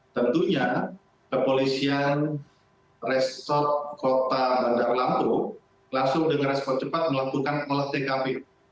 tentunya kepolisian resort kota bandar lampung langsung dengan respon cepat melakukan olah tkp